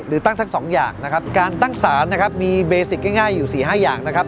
ตั้งทั้งสองอย่างนะครับการตั้งสารนะครับมีเบสิกง่ายอยู่สี่ห้าอย่างนะครับ